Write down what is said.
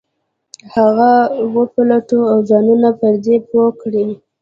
هغه وپلټو او ځانونه پر دې پوه کړو.